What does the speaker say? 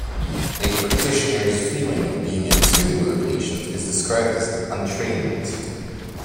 A practitioner's feeling of being in tune with a patient is described as "entrainment".